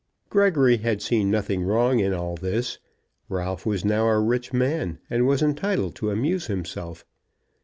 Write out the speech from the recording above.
Gregory had seen nothing wrong in all this. Ralph was now a rich man, and was entitled to amuse himself.